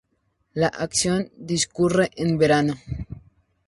La acción discurre en verano.